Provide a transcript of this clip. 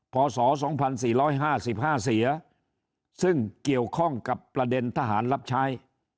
พศ๒๔๕๕เสียซึ่งเกี่ยวข้องกับประเด็นทหารรับใช้